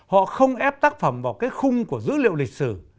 họ không ép tác phẩm vào cái khung của dữ liệu lịch sử